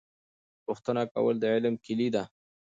پوښتنه کول د علم کیلي ده.